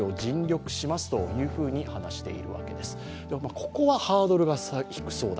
ここはハードルが低そうだ。